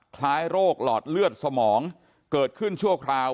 คล้ายโรคหลอดเลือดสมองเกิดขึ้นชั่วคราว